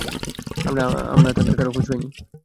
আমরা তাদের কারো খোঁজ পাইনি।